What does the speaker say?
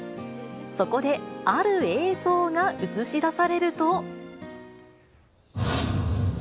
そこである映像が映し出されると。